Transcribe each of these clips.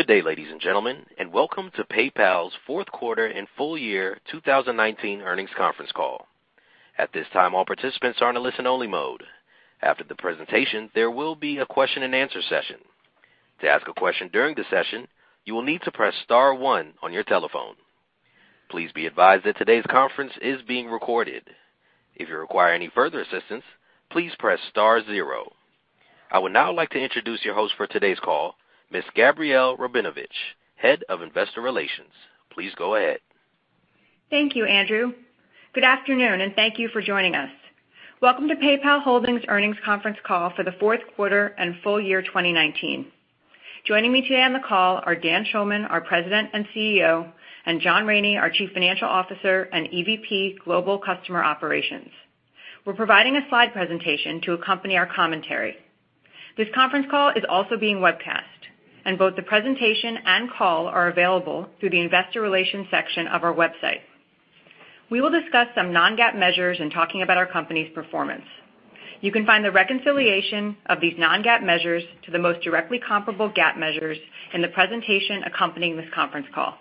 Good day, ladies and gentlemen, and welcome to PayPal's fourth quarter and full-year 2019 earnings conference call. At this time, all participants are in a listen-only mode. After the presentation, there will be a question-and-answer session. To ask a question during the session, you will need to press star one on your telephone. Please be advised that today's conference is being recorded. If you require any further assistance, please press star zero. I would now like to introduce your host for today's call, Ms. Gabrielle Rabinovitch, Head of Investor Relations. Please go ahead. Thank you, Andrew. Good afternoon, thank you for joining us. Welcome to PayPal Holdings earnings conference call for the fourth quarter and full-year 2019. Joining me today on the call are Dan Schulman, our President and CEO, John Rainey, our Chief Financial Officer and EVP, Global Customer Operations. We're providing a slide presentation to accompany our commentary. This conference call is also being webcast, both the presentation and call are available through the investor relations section of our website. We will discuss some non-GAAP measures in talking about our company's performance. You can find the reconciliation of these non-GAAP measures to the most directly comparable GAAP measures in the presentation accompanying this conference call.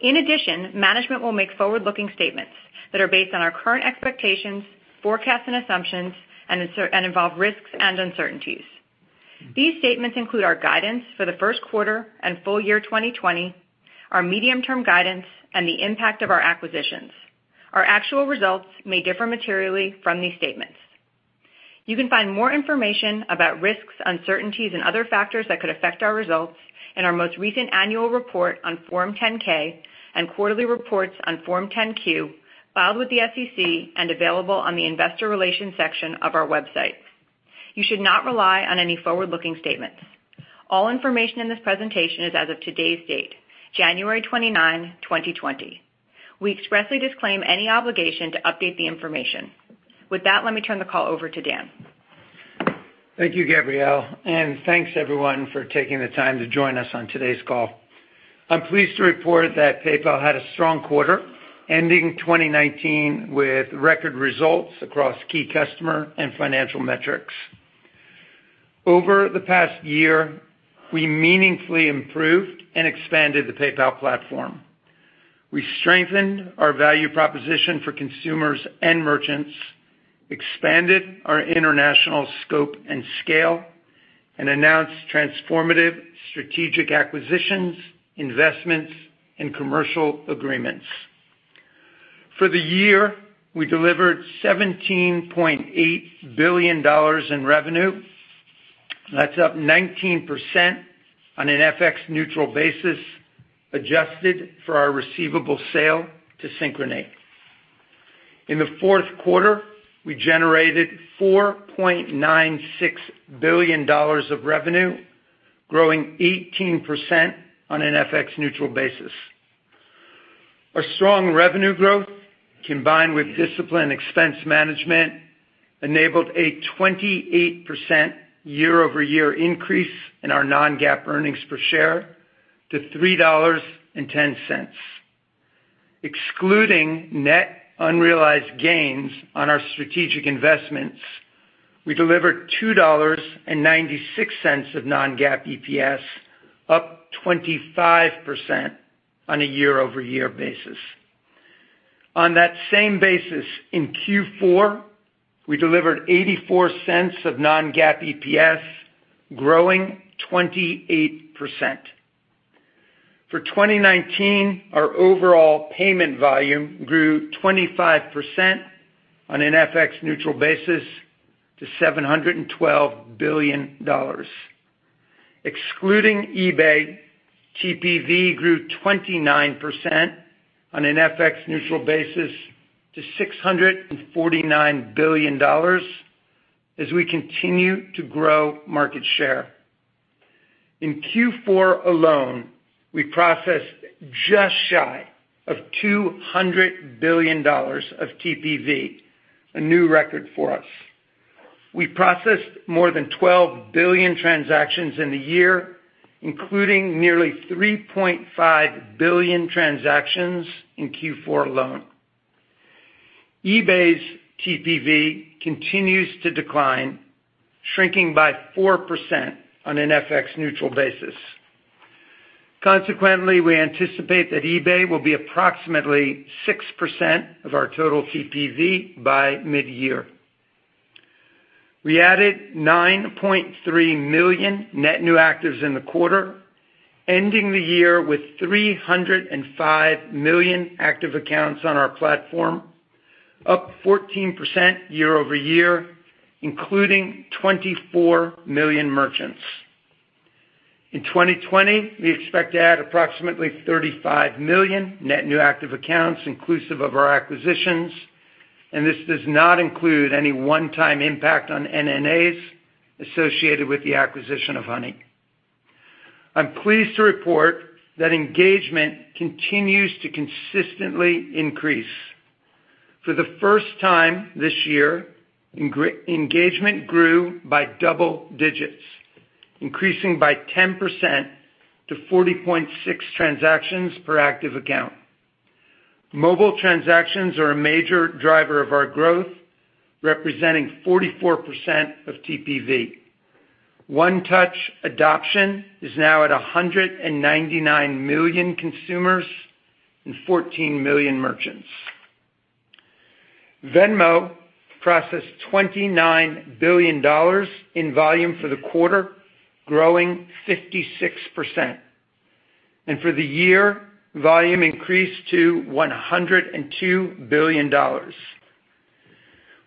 In addition, management will make forward-looking statements that are based on our current expectations, forecasts, and assumptions and involve risks and uncertainties. These statements include our guidance for the first quarter and full-year 2020, our medium-term guidance, and the impact of our acquisitions. Our actual results may differ materially from these statements. You can find more information about risks, uncertainties, and other factors that could affect our results in our most recent annual report on Form 10-K and quarterly reports on Form 10-Q filed with the SEC and available on the investor relations section of our website. You should not rely on any forward-looking statements. All information in this presentation is as of today's date, January 29, 2020. We expressly disclaim any obligation to update the information. With that, let me turn the call over to Dan. Thank you, Gabrielle. Thanks, everyone, for taking the time to join us on today's call. I'm pleased to report that PayPal had a strong quarter, ending 2019 with record results across key customer and financial metrics. Over the past year, we meaningfully improved and expanded the PayPal platform. We strengthened our value proposition for consumers and merchants, expanded our international scope and scale, and announced transformative strategic acquisitions, investments, and commercial agreements. For the year, we delivered $17.8 billion in revenue. That's up 19% on an FX neutral basis, adjusted for our receivable sale to Synchrony. In the fourth quarter, we generated $4.96 billion of revenue, growing 18% on an FX neutral basis. Our strong revenue growth, combined with disciplined expense management, enabled a 28% year-over-year increase in our non-GAAP earnings per share to $3.10. Excluding net unrealized gains on our strategic investments, we delivered $2.96 of non-GAAP EPS, up 25% on a year-over-year basis. On that same basis, in Q4, we delivered $0.84 of non-GAAP EPS, growing 28%. For 2019, our overall payment volume grew 25% on an FX neutral basis to $712 billion. Excluding eBay, TPV grew 29% on an FX neutral basis to $649 billion as we continue to grow market share. In Q4 alone, we processed just shy of $200 billion of TPV, a new record for us. We processed more than 12 billion transactions in the year, including nearly 3.5 billion transactions in Q4 alone. eBay's TPV continues to decline, shrinking by 4% on an FX neutral basis. Consequently, we anticipate that eBay will be approximately 6% of our total TPV by mid-year. We added 9.3 million net new actives in the quarter, ending the year with 305 million active accounts on our platform, up 14% year-over-year, including 24 million merchants. In 2020, we expect to add approximately 35 million net new active accounts inclusive of our acquisitions, this does not include any one-time impact on NNAs associated with the acquisition of Honey. I'm pleased to report that engagement continues to consistently increase. For the first time this year, engagement grew by double digits, increasing by 10% to 40.6 transactions per active account. Mobile transactions are a major driver of our growth, representing 44% of TPV. One Touch adoption is now at 199 million consumers and 14 million merchants. Venmo processed $29 billion in volume for the quarter, growing 56%. For the year, volume increased to $102 billion.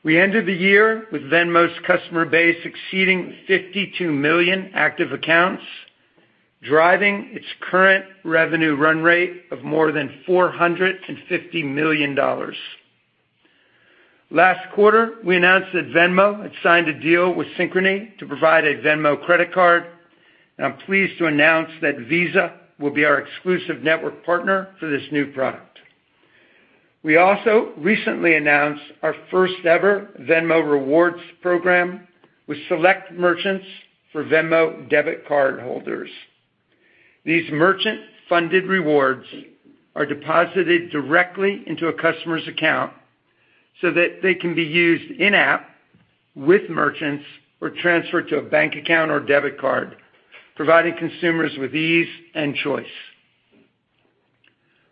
We ended the year with Venmo's customer base exceeding 52 million active accounts, driving its current revenue run rate of more than $450 million. Last quarter, we announced that Venmo had signed a deal with Synchrony to provide a Venmo credit card, and I'm pleased to announce that Visa will be our exclusive network partner for this new product. We also recently announced our first-ever Venmo rewards program with select merchants for Venmo debit cardholders. These merchant-funded rewards are deposited directly into a customer's account so that they can be used in-app with merchants or transferred to a bank account or debit card, providing consumers with ease and choice.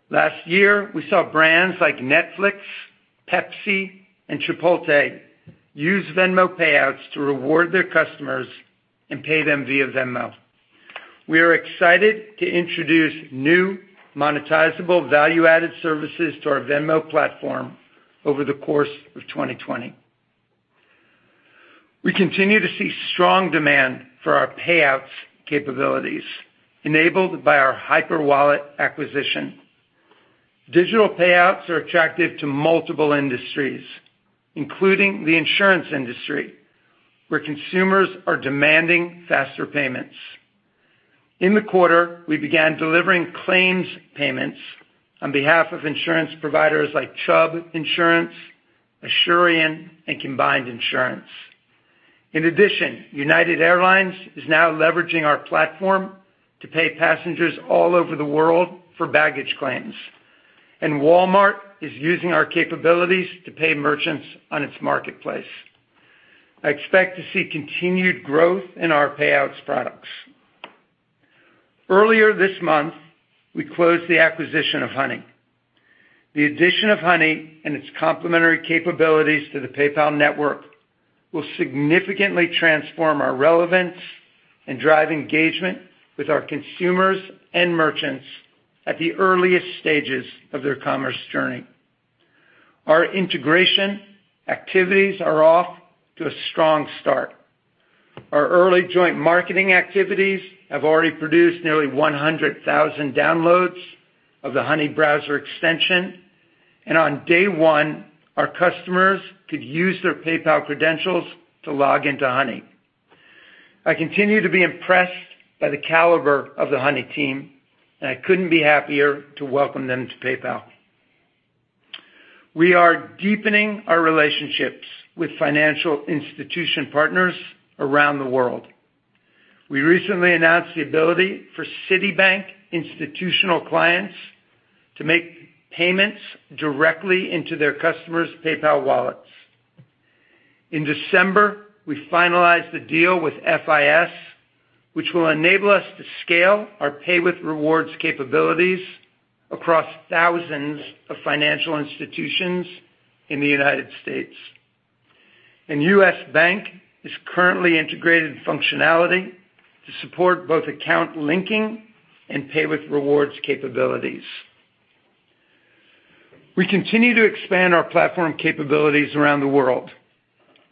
Last year, we saw brands like Netflix, Pepsi, and Chipotle use Venmo payouts to reward their customers and pay them via Venmo. We are excited to introduce new monetizable value-added services to our Venmo platform over the course of 2020. We continue to see strong demand for our payouts capabilities enabled by our Hyperwallet acquisition. Digital payouts are attractive to multiple industries, including the insurance industry, where consumers are demanding faster payments. In the quarter, we began delivering claims payments on behalf of insurance providers like Chubb Insurance, Asurion, and Combined Insurance. In addition, United Airlines is now leveraging our platform to pay passengers all over the world for baggage claims, and Walmart is using our capabilities to pay merchants on its marketplace. I expect to see continued growth in our payouts products. Earlier this month, we closed the acquisition of Honey. The addition of Honey and its complementary capabilities to the PayPal network will significantly transform our relevance and drive engagement with our consumers and merchants at the earliest stages of their commerce journey. Our integration activities are off to a strong start. Our early joint marketing activities have already produced nearly 100,000 downloads of the Honey browser extension, and on day one, our customers could use their PayPal credentials to log into Honey. I continue to be impressed by the caliber of the Honey team, and I couldn't be happier to welcome them to PayPal. We are deepening our relationships with financial institution partners around the world. We recently announced the ability for Citibank institutional clients to make payments directly into their customers' PayPal wallets. In December, we finalized the deal with FIS, which will enable us to scale our Pay with Rewards capabilities across thousands of financial institutions in the U.S. U.S. Bank is currently integrating functionality to support both account linking and Pay with Rewards capabilities. We continue to expand our platform capabilities around the world.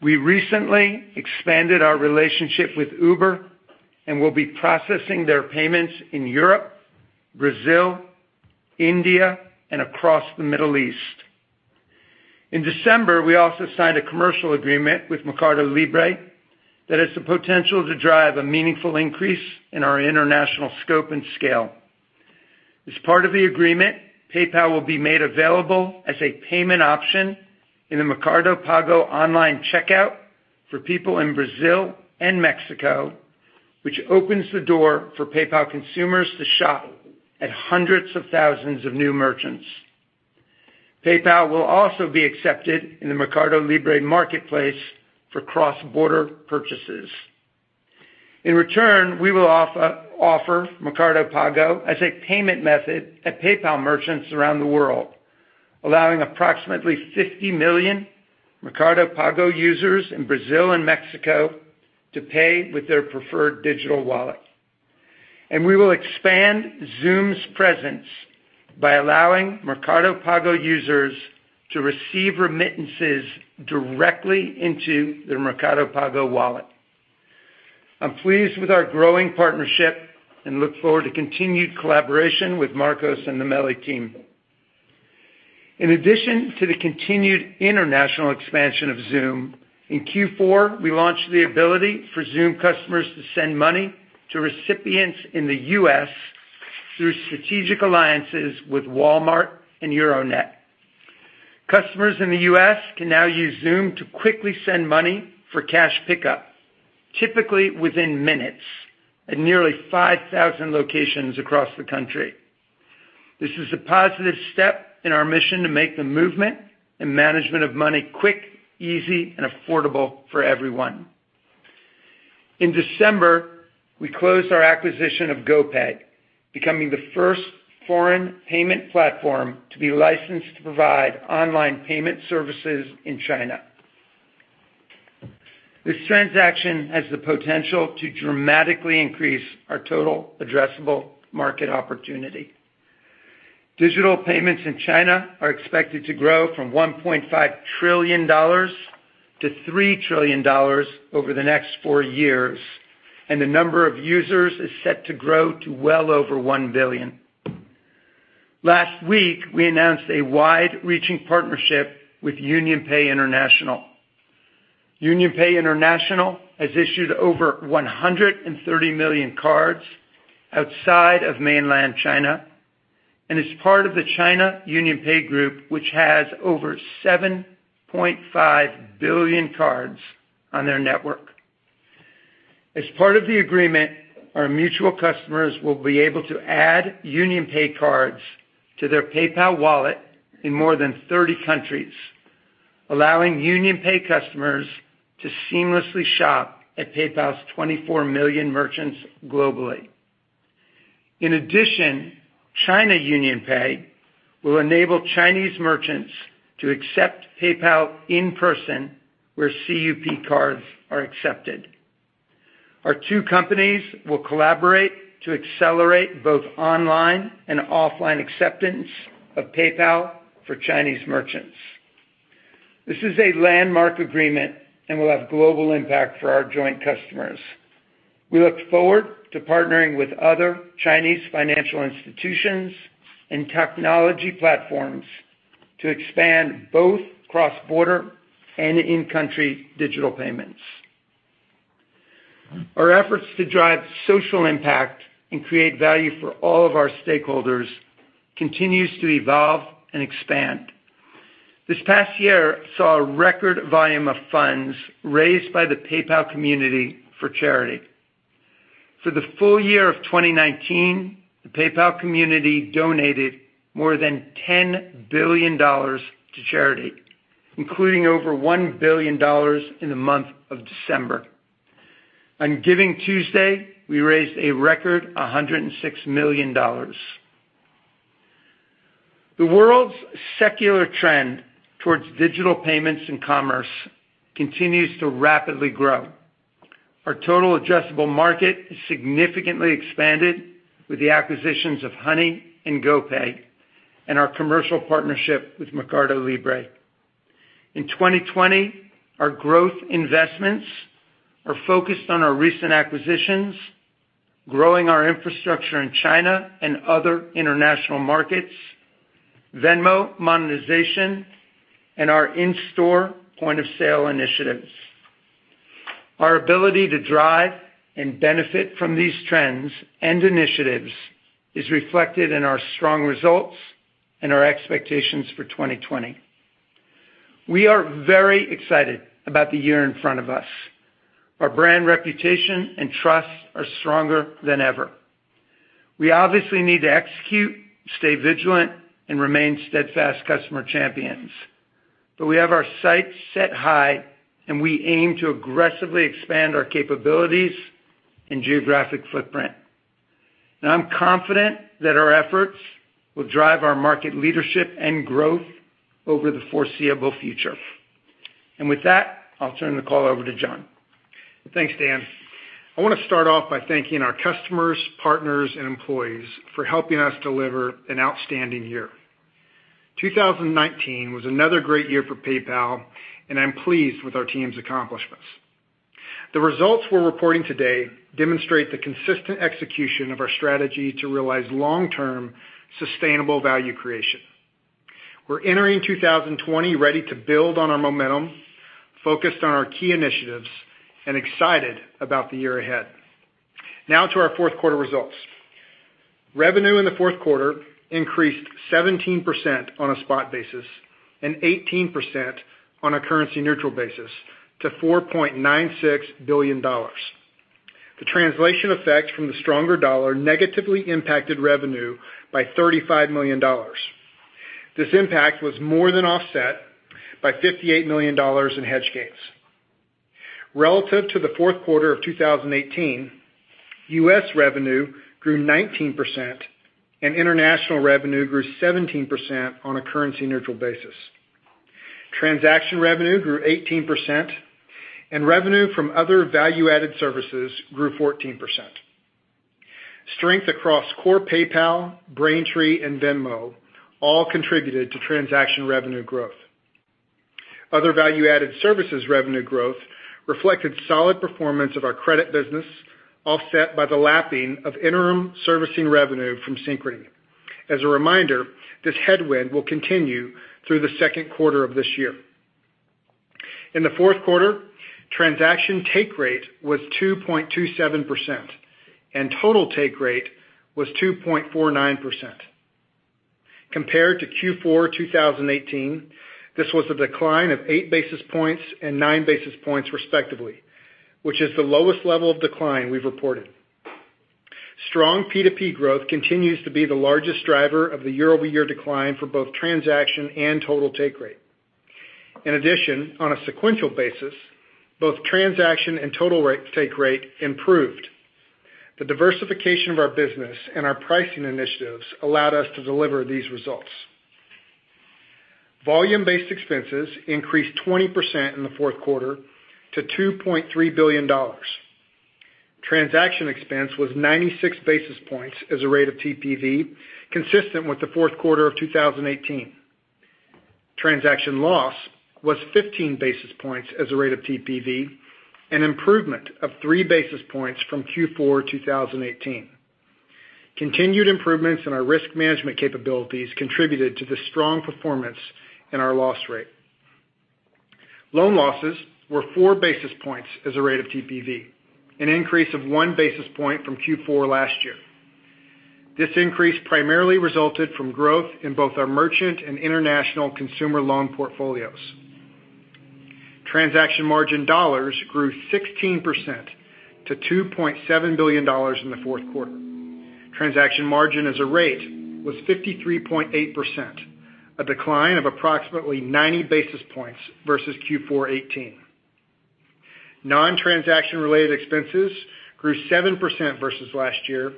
We recently expanded our relationship with Uber and will be processing their payments in Europe, Brazil, India, and across the Middle East. In December, we also signed a commercial agreement with Mercado Libre that has the potential to drive a meaningful increase in our international scope and scale. As part of the agreement, PayPal will be made available as a payment option in the Mercado Pago online checkout for people in Brazil and Mexico, which opens the door for PayPal consumers to shop at hundreds of thousands of new merchants. PayPal will also be accepted in the Mercado Libre marketplace for cross-border purchases. In return, we will offer Mercado Pago as a payment method at PayPal merchants around the world, allowing approximately 50 million Mercado Pago users in Brazil and Mexico to pay with their preferred digital wallet. We will expand Xoom's presence by allowing Mercado Pago users to receive remittances directly into their Mercado Pago wallet. I'm pleased with our growing partnership and look forward to continued collaboration with Marcos and the Mercado Libre team. In addition to the continued international expansion of Xoom, in Q4, we launched the ability for Xoom customers to send money to recipients in the U.S. through strategic alliances with Walmart and Euronet. Customers in the U.S. can now use Xoom to quickly send money for cash pickup, typically within minutes, at nearly 5,000 locations across the country. This is a positive step in our mission to make the movement and management of money quick, easy, and affordable for everyone. In December, we closed our acquisition of GoPay, becoming the first foreign payment platform to be licensed to provide online payment services in China. This transaction has the potential to dramatically increase our total addressable market opportunity. Digital payments in China are expected to grow from $1.5 trillion-$3 trillion over the next four years, and the number of users is set to grow to well over 1 billion. Last week, we announced a wide-reaching partnership with UnionPay International. UnionPay International has issued over 130 million cards outside of mainland China and is part of the China UnionPay group, which has over 7.5 billion cards on their network. As part of the agreement, our mutual customers will be able to add UnionPay cards to their PayPal wallet in more than 30 countries, allowing UnionPay customers to seamlessly shop at PayPal's 24 million merchants globally. In addition, China UnionPay will enable Chinese merchants to accept PayPal in person where CUP cards are accepted. Our two companies will collaborate to accelerate both online and offline acceptance of PayPal for Chinese merchants. This is a landmark agreement and will have global impact for our joint customers. We look forward to partnering with other Chinese financial institutions and technology platforms to expand both cross-border and in-country digital payments. Our efforts to drive social impact and create value for all of our stakeholders continues to evolve and expand. This past year saw a record volume of funds raised by the PayPal community for charity. For the full-year of 2019, the PayPal community donated more than $10 billion to charity, including over $1 billion in the month of December. On Giving Tuesday, we raised a record $106 million. The world's secular trend towards digital payments and commerce continues to rapidly grow. Our total addressable market is significantly expanded with the acquisitions of Honey and GoPay and our commercial partnership with Mercado Libre. In 2020, our growth investments are focused on our recent acquisitions, growing our infrastructure in China and other international markets, Venmo monetization, and our in-store point-of-sale initiatives. Our ability to drive and benefit from these trends and initiatives is reflected in our strong results and our expectations for 2020. We are very excited about the year in front of us. Our brand reputation and trust are stronger than ever. We obviously need to execute, stay vigilant, and remain steadfast customer champions. We have our sights set high and we aim to aggressively expand our capabilities and geographic footprint. I'm confident that our efforts will drive our market leadership and growth over the foreseeable future. With that, I'll turn the call over to John. Thanks, Dan. I want to start off by thanking our customers, partners, and employees for helping us deliver an outstanding year. 2019 was another great year for PayPal, and I'm pleased with our team's accomplishments. The results we're reporting today demonstrate the consistent execution of our strategy to realize long-term sustainable value creation. We're entering 2020 ready to build on our momentum, focused on our key initiatives, and excited about the year ahead. Now to our fourth quarter results. Revenue in the fourth quarter increased 17% on a spot basis and 18% on a currency-neutral basis to $4.96 billion. The translation effect from the stronger dollar negatively impacted revenue by $35 million. This impact was more than offset by $58 million in hedge gains. Relative to the fourth quarter of 2018, U.S. revenue grew 19% and international revenue grew 17% on a currency-neutral basis. Transaction revenue grew 18%, and revenue from other value-added services grew 14%. Strength across core PayPal, Braintree, and Venmo all contributed to transaction revenue growth. Other value-added services revenue growth reflected solid performance of our credit business, offset by the lapping of interim servicing revenue from Synchrony. As a reminder, this headwind will continue through the second quarter of this year. In the fourth quarter, transaction take rate was 2.27%, and total take rate was 2.49%. Compared to Q4 2018, this was a decline of eight basis points and nine basis points respectively, which is the lowest level of decline we've reported. Strong P2P growth continues to be the largest driver of the year-over-year decline for both transaction and total take rate. In addition, on a sequential basis, both transaction and total take rate improved. The diversification of our business and our pricing initiatives allowed us to deliver these results. Volume-based expenses increased 20% in the fourth quarter to $2.3 billion. Transaction expense was 96 basis points as a rate of TPV, consistent with the fourth quarter of 2018. Transaction loss was 15 basis points as a rate of TPV, an improvement of three basis points from Q4 2018. Continued improvements in our risk management capabilities contributed to the strong performance in our loss rate. Loan losses were four basis points as a rate of TPV, an increase of one basis point from Q4 last year. This increase primarily resulted from growth in both our merchant and international consumer loan portfolios. Transaction margin dollars grew 16% to $2.7 billion in the fourth quarter. Transaction margin as a rate was 53.8%, a decline of approximately 90 basis points versus Q4 2018. Non-transaction related expenses grew 7% versus last year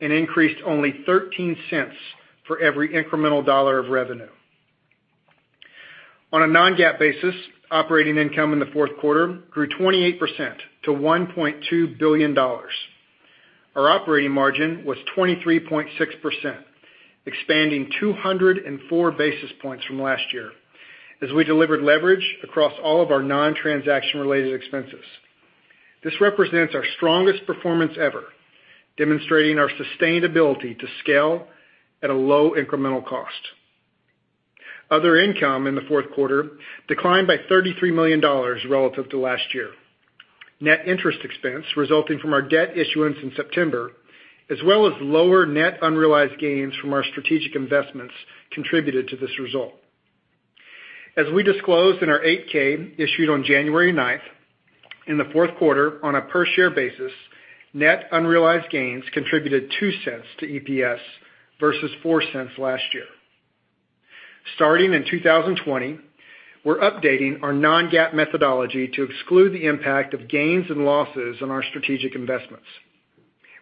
and increased only $0.13 for every incremental dollar of revenue. On a non-GAAP basis, operating income in the fourth quarter grew 28% to $1.2 billion. Our operating margin was 23.6%, expanding 204 basis points from last year as we delivered leverage across all of our non-transaction related expenses. This represents our strongest performance ever, demonstrating our sustainability to scale at a low incremental cost. Other income in the fourth quarter declined by $33 million relative to last year. Net interest expense resulting from our debt issuance in September, as well as lower net unrealized gains from our strategic investments contributed to this result. As we disclosed in our 8-K issued on January 9th, in the fourth quarter on a per share basis, net unrealized gains contributed $0.02 to EPS versus $0.04 last year. Starting in 2020, we're updating our non-GAAP methodology to exclude the impact of gains and losses on our strategic investments.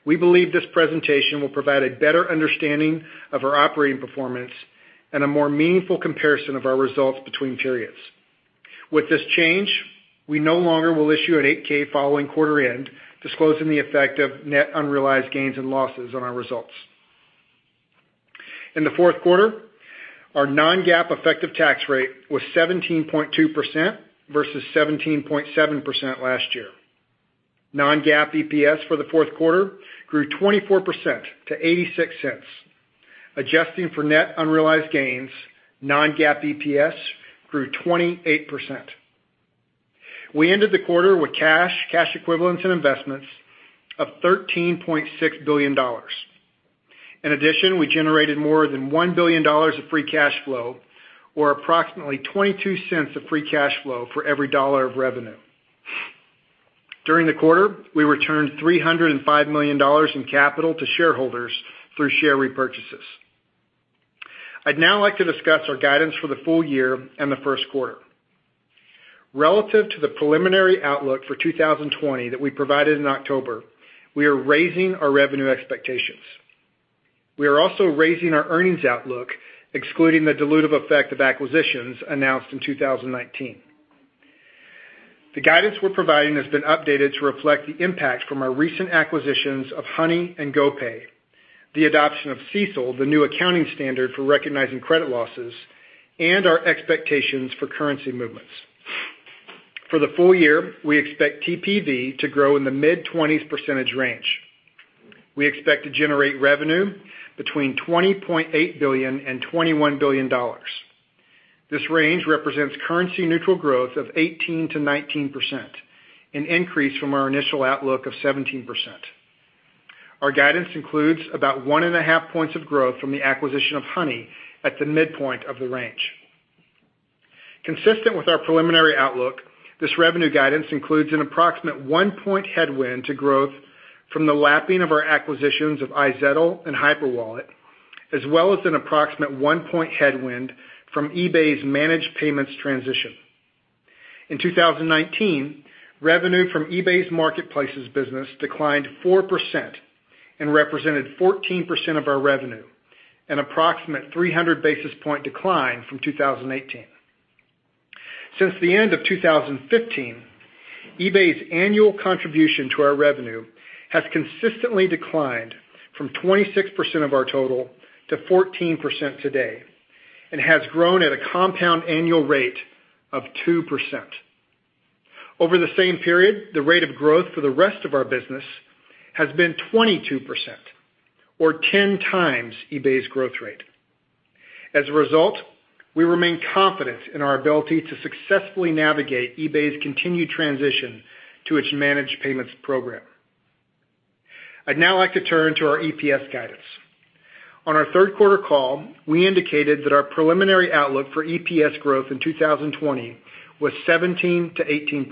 We believe this presentation will provide a better understanding of our operating performance and a more meaningful comparison of our results between periods. With this change, we no longer will issue an 8-K following quarter end disclosing the effect of net unrealized gains and losses on our results. In the fourth quarter, our non-GAAP effective tax rate was 17.2% versus 17.7% last year. Non-GAAP EPS for the fourth quarter grew 24% to $0.86. Adjusting for net unrealized gains, non-GAAP EPS grew 28%. We ended the quarter with cash equivalents and investments of $13.6 billion. In addition, we generated more than $1 billion of free cash flow or approximately $0.22 of free cash flow for every dollar of revenue. During the quarter, we returned $305 million in capital to shareholders through share repurchases. I'd now like to discuss our guidance for the full-year and the first quarter. Relative to the preliminary outlook for 2020 that we provided in October, we are raising our revenue expectations. We are also raising our earnings outlook, excluding the dilutive effect of acquisitions announced in 2019. The guidance we're providing has been updated to reflect the impact from our recent acquisitions of Honey and GoPay, the adoption of CECL, the new accounting standard for recognizing credit losses, and our expectations for currency movements. For the full-year, we expect TPV to grow in the mid-20s % range. We expect to generate revenue between $20.8 billion-$21 billion. This range represents currency-neutral growth of 18%-19%, an increase from our initial outlook of 17%. Our guidance includes about one and a half points of growth from the acquisition of Honey at the midpoint of the range. Consistent with our preliminary outlook, this revenue guidance includes an approximate one-point headwind to growth from the lapping of our acquisitions of iZettle and Hyperwallet, as well as an approximate one-point headwind from eBay's managed payments transition. In 2019, revenue from eBay's marketplaces business declined 4% and represented 14% of our revenue, an approximate 300 basis point decline from 2018. Since the end of 2015, eBay's annual contribution to our revenue has consistently declined from 26% of our total to 14% today and has grown at a compound annual rate of 2%. Over the same period, the rate of growth for the rest of our business has been 22% or 10x eBay's growth rate. As a result, we remain confident in our ability to successfully navigate eBay's continued transition to its managed payments program. I'd now like to turn to our EPS guidance. On our third quarter call, we indicated that our preliminary outlook for EPS growth in 2020 was 17%-18%.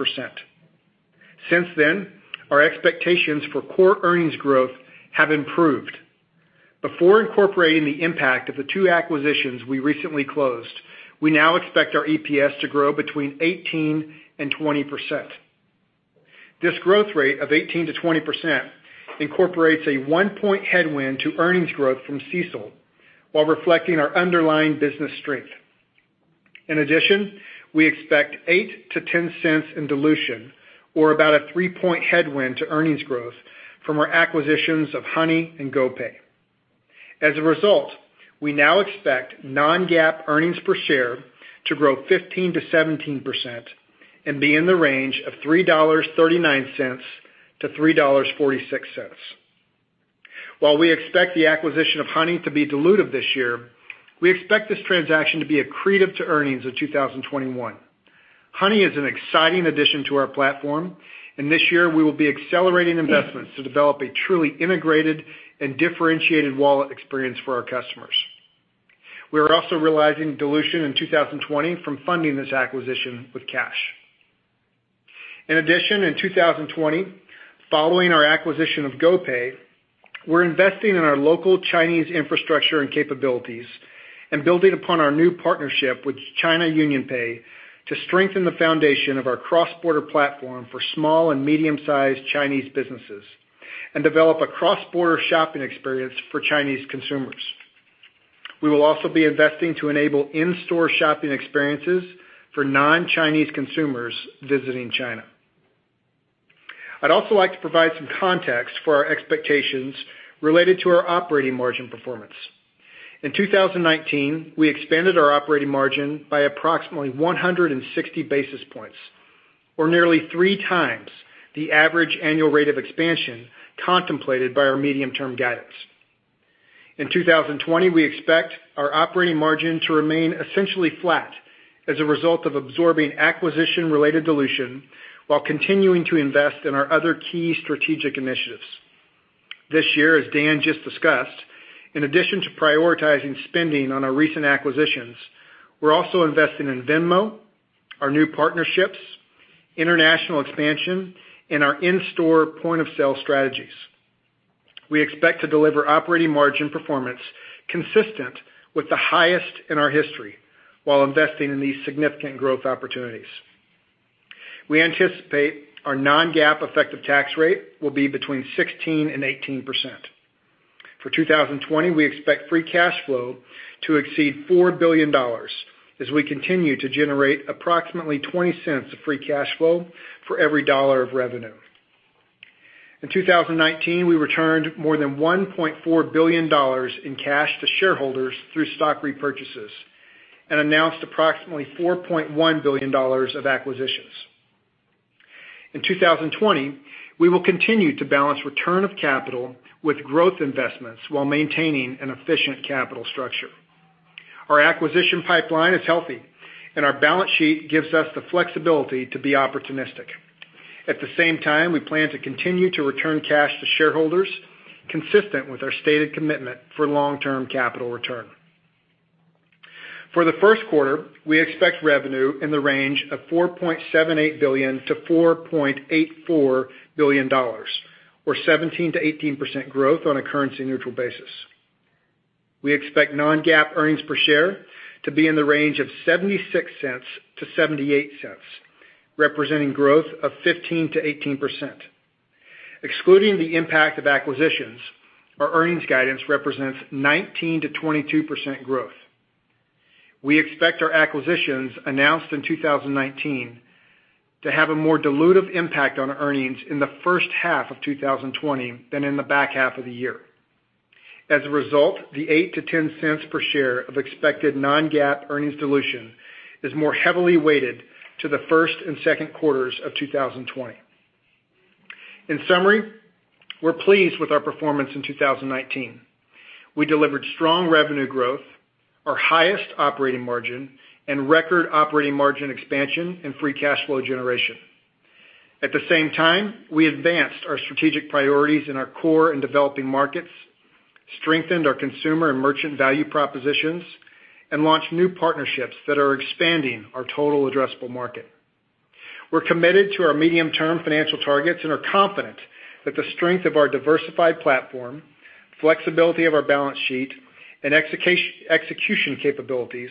Since then, our expectations for core earnings growth have improved. Before incorporating the impact of the two acquisitions we recently closed, we now expect our EPS to grow between 18% and 20%. This growth rate of 18%-20% incorporates a one-point headwind to earnings growth from CECL while reflecting our underlying business strength. In addition, we expect $0.08-$0.10 in dilution, or about a three-point headwind to earnings growth, from our acquisitions of Honey and GoPay. As a result, we now expect non-GAAP earnings per share to grow 15%-17% and be in the range of $3.39-$3.46. While we expect the acquisition of Honey to be dilutive this year, we expect this transaction to be accretive to earnings in 2021. Honey is an exciting addition to our platform, and this year we will be accelerating investments to develop a truly integrated and differentiated wallet experience for our customers. We are also realizing dilution in 2020 from funding this acquisition with cash. In addition, in 2020, following our acquisition of GoPay, we're investing in our local Chinese infrastructure and capabilities and building upon our new partnership with China UnionPay to strengthen the foundation of our cross-border platform for small and medium-sized Chinese businesses and develop a cross-border shopping experience for Chinese consumers. We will also be investing to enable in-store shopping experiences for non-Chinese consumers visiting China. I'd also like to provide some context for our expectations related to our operating margin performance. In 2019, we expanded our operating margin by approximately 160 basis points, or nearly three times the average annual rate of expansion contemplated by our medium-term guidance. In 2020, we expect our operating margin to remain essentially flat as a result of absorbing acquisition-related dilution while continuing to invest in our other key strategic initiatives. This year, as Dan just discussed, in addition to prioritizing spending on our recent acquisitions, we're also investing in Venmo, our new partnerships, international expansion, and our in-store point-of-sale strategies. We expect to deliver operating margin performance consistent with the highest in our history while investing in these significant growth opportunities. We anticipate our non-GAAP effective tax rate will be between 16% and 18%. For 2020, we expect free cash flow to exceed $4 billion as we continue to generate approximately $0.20 of free cash flow for every dollar of revenue. In 2019, we returned more than $1.4 billion in cash to shareholders through stock repurchases and announced approximately $4.1 billion of acquisitions. In 2020, we will continue to balance return of capital with growth investments while maintaining an efficient capital structure. Our acquisition pipeline is healthy. Our balance sheet gives us the flexibility to be opportunistic. At the same time, we plan to continue to return cash to shareholders, consistent with our stated commitment for long-term capital return. For the first quarter, we expect revenue in the range of $4.78 billion-$4.84 billion, or 17%-18% growth on a currency-neutral basis. We expect non-GAAP earnings per share to be in the range of $0.76-$0.78, representing growth of 15%-18%. Excluding the impact of acquisitions, our earnings guidance represents 19%-22% growth. We expect our acquisitions announced in 2019 to have a more dilutive impact on earnings in the first half of 2020 than in the back half of the year. As a result, the $0.08-$0.10 per share of expected non-GAAP earnings dilution is more heavily weighted to the first and second quarters of 2020. In summary, we're pleased with our performance in 2019. We delivered strong revenue growth, our highest operating margin, and record operating margin expansion and free cash flow generation. At the same time, we advanced our strategic priorities in our core and developing markets, strengthened our consumer and merchant value propositions, and launched new partnerships that are expanding our total addressable market. We're committed to our medium-term financial targets and are confident that the strength of our diversified platform, flexibility of our balance sheet, and execution capabilities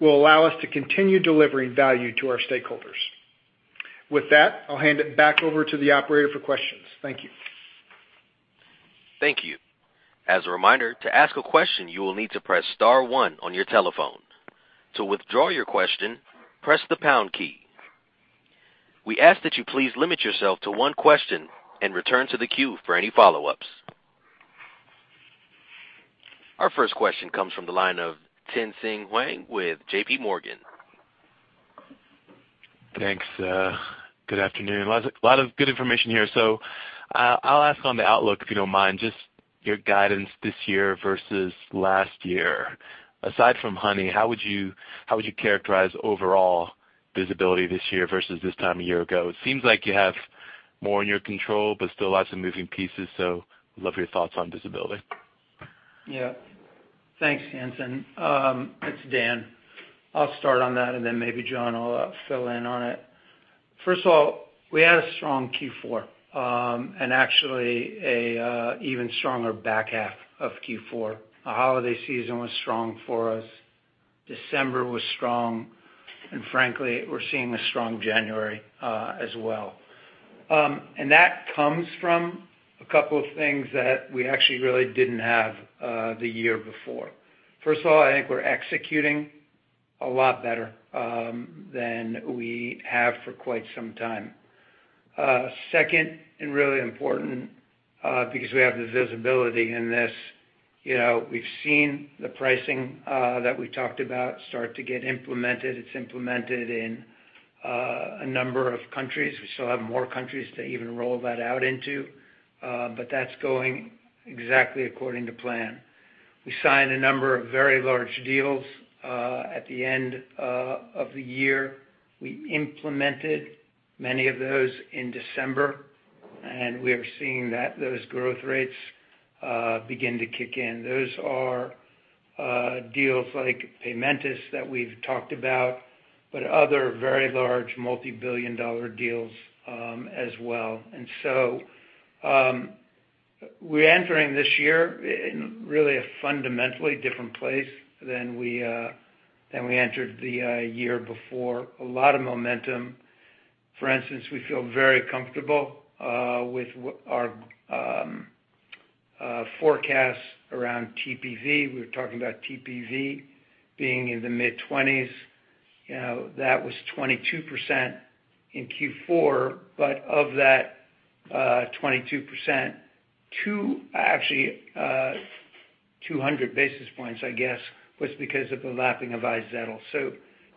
will allow us to continue delivering value to our stakeholders. With that, I'll hand it back over to the operator for questions. Thank you. Thank you. As a reminder, to ask a question, you will need to press star one on your telephone. To withdraw your question, press the pound key. We ask that you please limit yourself to one question and return to the queue for any follow-ups. Our first question comes from the line of Tien-Tsin Huang with J.P. Morgan. Thanks. Good afternoon. A lot of good information here. I'll ask on the outlook, if you don't mind, just your guidance this year versus last year. Aside from Honey, how would you characterize overall visibility this year versus this time a year ago? It seems like you have more in your control, but still lots of moving pieces, would love your thoughts on visibility. Thanks, Tien-Tsin. It's Dan. I'll start on that, and then maybe John will fill in on it. First of all, we had a strong Q4, and actually, a even stronger back half of Q4. The holiday season was strong for us. December was strong, and frankly, we're seeing a strong January as well. That comes from a couple of things that we actually really didn't have the year before. First of all, I think we're executing a lot better than we have for quite some time. Second, and really important, because we have the visibility in this, we've seen the pricing that we talked about start to get implemented. It's implemented in a number of countries. We still have more countries to even roll that out into, but that's going exactly according to plan. We signed a number of very large deals, at the end of the year. We implemented many of those in December. We are seeing that those growth rates begin to kick in. Those are deals like Paymentus that we've talked about, other very large multi-billion-dollar deals as well. We're entering this year in really a fundamentally different place than we entered the year before. A lot of momentum. For instance, we feel very comfortable with our forecast around TPV. We were talking about TPV being in the mid-20s. That was 22% in Q4, of that 22%, actually 200 basis points, I guess, was because of the lapping of iZettle.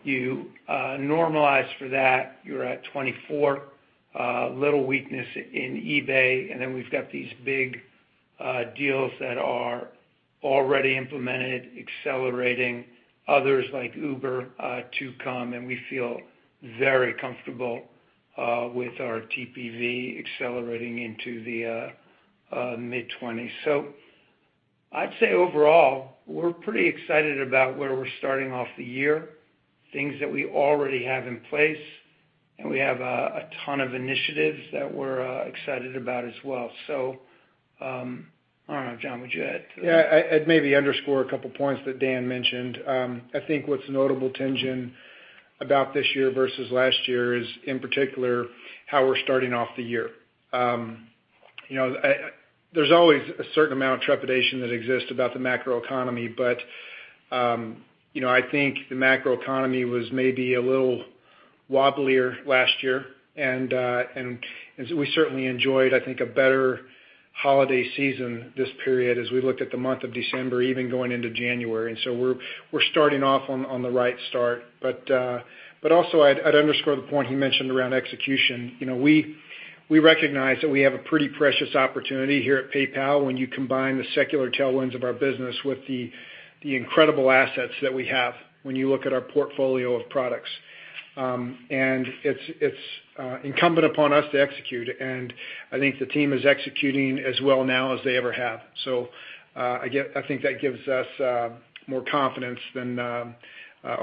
You normalize for that, you're at 24%, a little weakness in eBay. We've got these big deals that are already implemented, accelerating others like Uber to come. We feel very comfortable with our TPV accelerating into the mid-20s. I'd say overall, we're pretty excited about where we're starting off the year, things that we already have in place, and we have a ton of initiatives that we're excited about as well. I don't know, John, would you add to that? I'd maybe underscore a couple of points that Dan mentioned. I think what's notable Tien-Tsin about this year versus last year is, in particular, how we're starting off the year. There's always a certain amount of trepidation that exists about the macroeconomy, but I think the macroeconomy was maybe a little wobblier last year, and so we certainly enjoyed, I think, a better holiday season this period as we looked at the month of December, even going into January. We're starting off on the right start. I'd underscore the point he mentioned around execution. We recognize that we have a pretty precious opportunity here at PayPal when you combine the secular tailwinds of our business with the incredible assets that we have when you look at our portfolio of products. It's incumbent upon us to execute, and I think the team is executing as well now as they ever have. I think that gives us more confidence than on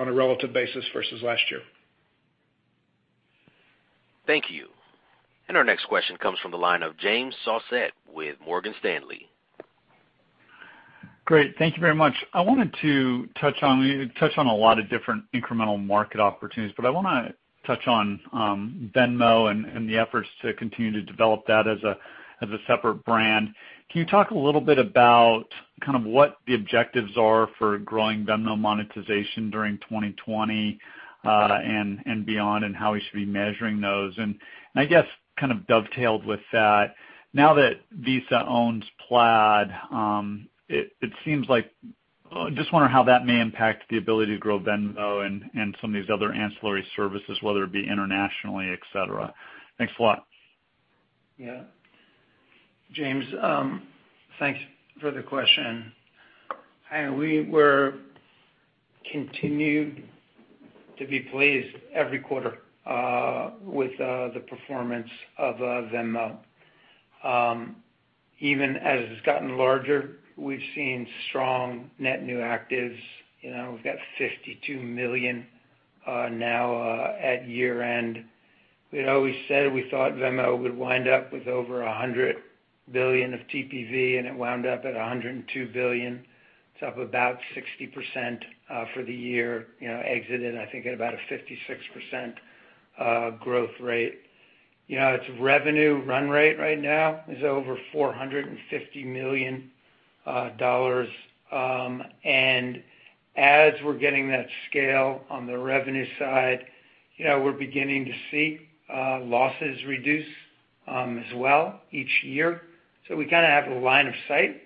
a relative basis versus last year. Thank you. Our next question comes from the line of James Faucette with Morgan Stanley. Great. Thank you very much. I wanted to touch on a lot of different incremental market opportunities, but I want to touch on Venmo and the efforts to continue to develop that as a separate brand. Can you talk a little bit about what the objectives are for growing Venmo monetization during 2020 and beyond, and how we should be measuring those? I guess, kind of dovetailed with that, now that Visa owns Plaid, I just wonder how that may impact the ability to grow Venmo and some of these other ancillary services, whether it be internationally, et cetera. Thanks a lot. James, thanks for the question. We continue to be pleased every quarter with the performance of Venmo. Even as it's gotten larger, we've seen strong net new actives. We've got 52 million now at year-end. We'd always said we thought Venmo would wind up with over $100 billion of TPV, and it wound up at $102 billion. It's up about 60% for the year, exited, I think, at about a 56% growth rate. Its revenue run rate right now is over $450 million. As we're getting that scale on the revenue side, we're beginning to see losses reduce as well each year. We kind of have a line of sight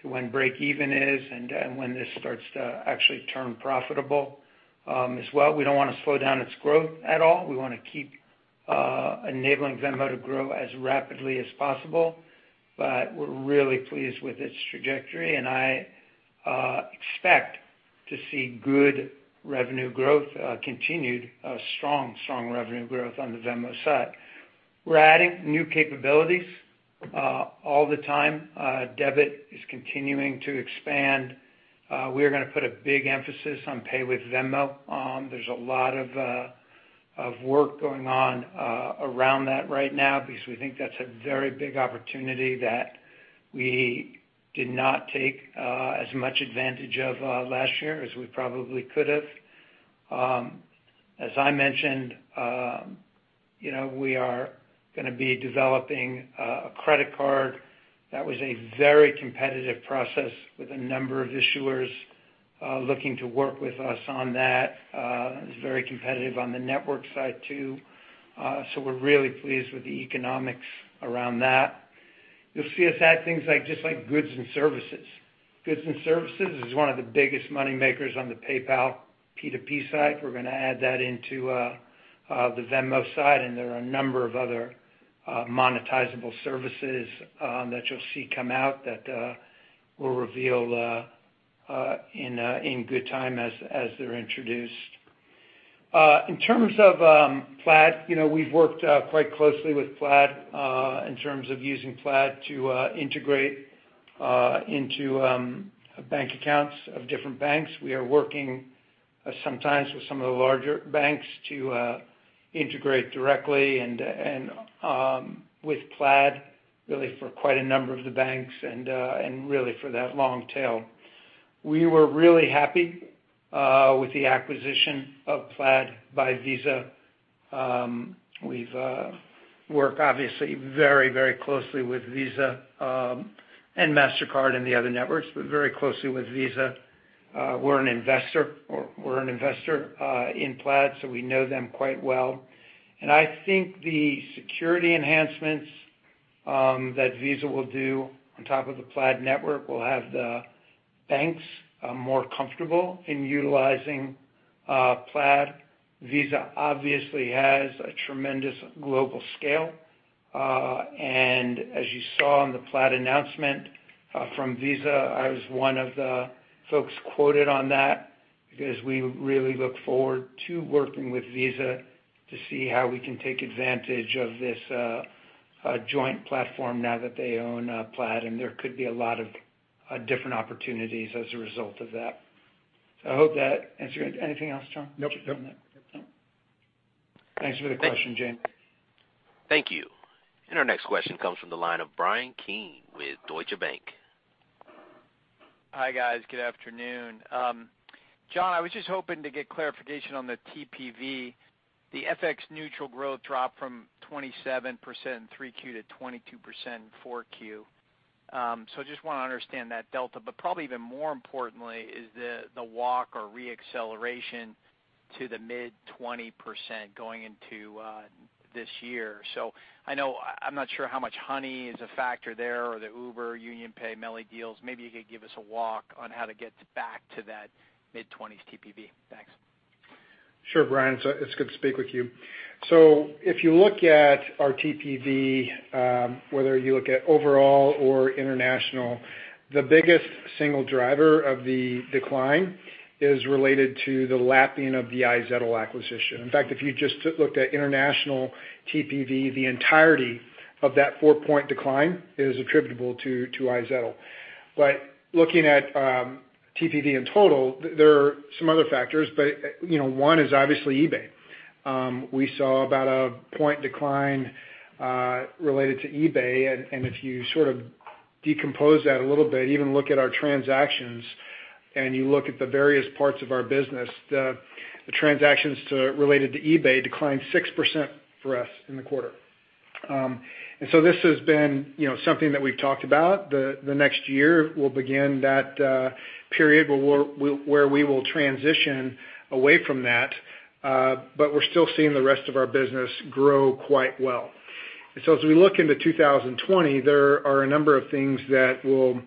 to when break even is and when this starts to actually turn profitable as well. We don't want to slow down its growth at all. We want to keep enabling Venmo to grow as rapidly as possible. We're really pleased with its trajectory, and I expect to see good revenue growth, continued strong revenue growth on the Venmo side. We're adding new capabilities all the time. Debit is continuing to expand. We are going to put a big emphasis on Pay with Venmo. There's a lot of work going on around that right now because we think that's a very big opportunity that we did not take as much advantage of last year as we probably could have. As I mentioned, we are going to be developing a credit card. That was a very competitive process with a number of issuers looking to work with us on that. It was very competitive on the network side, too. We're really pleased with the economics around that. You'll see us add things like Goods and Services. Goods and Services is one of the biggest money makers on the PayPal P2P side. We're going to add that into the Venmo side. There are a number of other monetizable services that you'll see come out that we'll reveal in good time as they're introduced. In terms of Plaid, we've worked quite closely with Plaid in terms of using Plaid to integrate into bank accounts of different banks. We are working sometimes with some of the larger banks to integrate directly. With Plaid, really for quite a number of the banks and really for that long tail. We were really happy with the acquisition of Plaid by Visa. We've worked obviously very closely with Visa and Mastercard and the other networks. Very closely with Visa. We're an investor in Plaid, so we know them quite well. I think the security enhancements that Visa will do on top of the Plaid network will have the banks more comfortable in utilizing Plaid. Visa obviously has a tremendous global scale. As you saw in the Plaid announcement from Visa, I was one of the folks quoted on that because we really look forward to working with Visa to see how we can take advantage of this joint platform now that they own Plaid, and there could be a lot of different opportunities as a result of that. I hope that answered. Anything else, John? Nope. Thanks for the question, James. Thank you. Our next question comes from the line of Bryan Keane with Deutsche Bank. Hi, guys. Good afternoon. John, I was just hoping to get clarification on the TPV. The FX neutral growth dropped from 27% in 3Q to 22% in 4Q. Just want to understand that delta. Probably even more importantly is the walk or re-acceleration to the mid-20% going into this year. I know I'm not sure how much Honey is a factor there or the Uber UnionPay, MercadoLibre deals. Maybe you could give us a walk on how to get back to that mid-20s TPV. Thanks. Sure, Bryan. It's good to speak with you. If you look at our TPV, whether you look at overall or international, the biggest single driver of the decline is related to the lapping of the iZettle acquisition. In fact, if you just looked at international TPV, the entirety of that four-point decline is attributable to iZettle. Looking at TPV in total, there are some other factors, but one is obviously eBay. We saw about one point decline related to eBay, and if you sort of decompose that a little bit, even look at our transactions and you look at the various parts of our business, the transactions related to eBay declined 6% for us in the quarter. This has been something that we've talked about. The next year, we'll begin that period where we will transition away from that. We're still seeing the rest of our business grow quite well. As we look into 2020, there are a number of things that will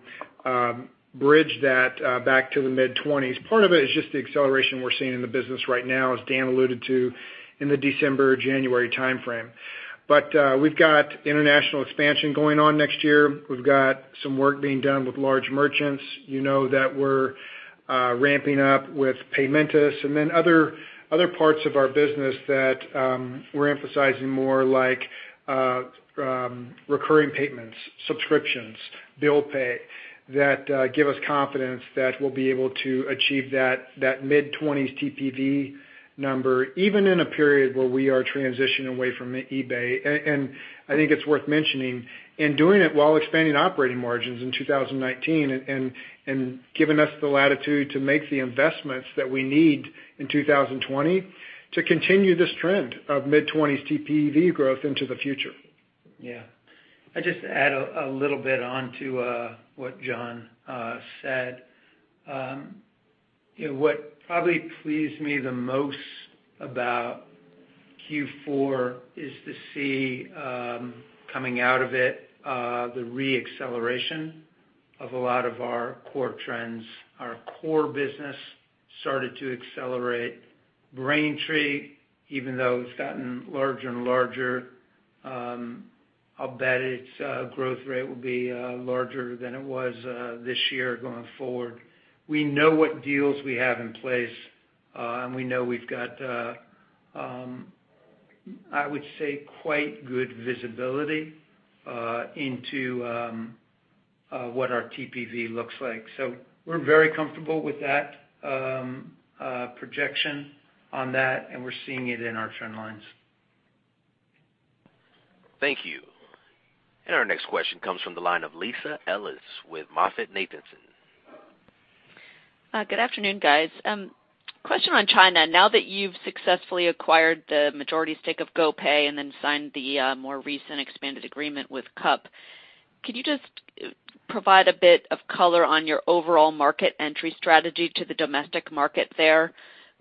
bridge that back to the mid-20s. Part of it is just the acceleration we're seeing in the business right now, as Dan alluded to in the December-January timeframe. We've got international expansion going on next year. We've got some work being done with large merchants. You know that we're ramping up with Paymentus and then other parts of our business that we're emphasizing more like recurring payments, subscriptions, bill pay, that give us confidence that we'll be able to achieve that mid-20s TPV number, even in a period where we are transitioning away from eBay. I think it's worth mentioning, and doing it while expanding operating margins in 2019 and giving us the latitude to make the investments that we need in 2020 to continue this trend of mid-20s TPV growth into the future. Yeah. I'll just add a little bit onto what John said. What probably pleased me the most about Q4 is to see coming out of it the re-acceleration of a lot of our core trends. Our core business started to accelerate. Braintree, even though it's gotten larger and larger, I'll bet its growth rate will be larger than it was this year going forward. We know what deals we have in place, and we know we've got, I would say, quite good visibility into what our TPV looks like. We're very comfortable with that projection on that, and we're seeing it in our trend lines. Thank you. Our next question comes from the line of Lisa Ellis with MoffettNathanson. Good afternoon, guys. Question on China. Now that you've successfully acquired the majority stake of GoPay and then signed the more recent expanded agreement with CUP, could you just provide a bit of color on your overall market entry strategy to the domestic market there?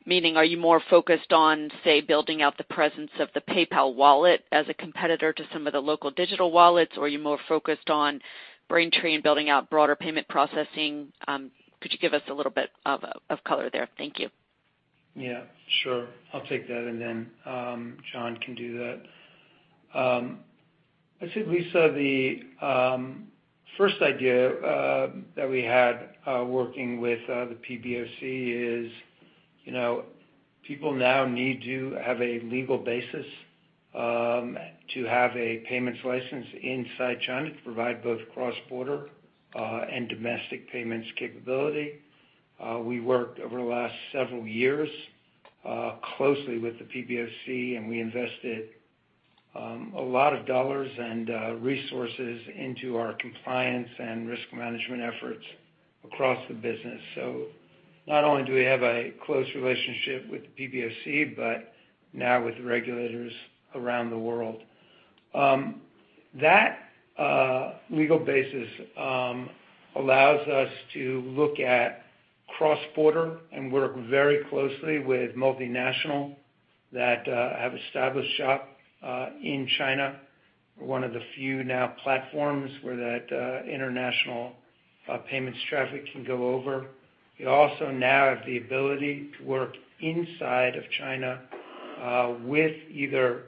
Meaning, are you more focused on, say, building out the presence of the PayPal wallet as a competitor to some of the local digital wallets? Are you more focused on Braintree and building out broader payment processing? Could you give us a little bit of color there? Thank you. Yeah, sure. I'll take that. John can do that. I'd say, Lisa, the first idea that we had working with the PBOC is people now need to have a legal basis to have a payments license inside China to provide both cross-border and domestic payments capability. We worked over the last several years closely with the PBOC. We invested a lot of dollars and resources into our compliance and risk management efforts across the business. Not only do we have a close relationship with the PBOC, but now with regulators around the world. That legal basis allows us to look at cross-border and work very closely with multinational that have established shop in China. We're one of the few now platforms where that international payments traffic can go over. We also now have the ability to work inside of China with either